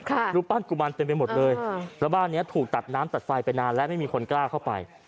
รูปปั้นกุมารเต็มไปหมดเลยแล้วบ้านเนี้ยถูกตัดน้ำตัดไฟไปนานและไม่มีคนกล้าเข้าไป